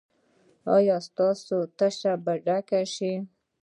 ایا ستاسو تشه به ډکه شي؟